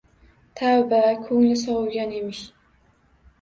Tavba, ko`ngil sovigan emish